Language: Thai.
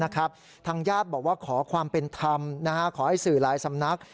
ทางญาติบอกว่าขอความเป็นธรรมขอให้สื่อหลายสำนัก